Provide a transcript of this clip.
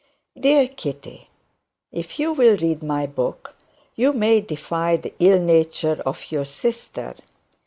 Dear Kitty, if you will read my book, you may defy the ill nature of your sister.